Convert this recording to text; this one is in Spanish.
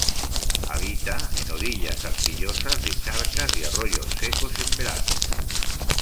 Habita en orillas arcillosas de charcas y arroyos secos en verano.